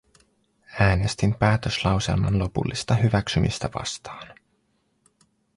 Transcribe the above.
Äänestin päätöslauselman lopullista hyväksymistä vastaan.